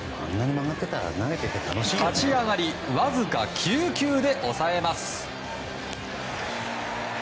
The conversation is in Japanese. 立ち上がりをわずか９球で抑えます。